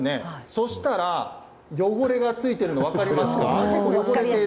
そしたら、汚れがついてるの、分かりますよね。